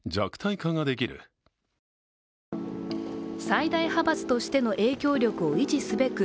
最大派閥としての影響力を維持すべく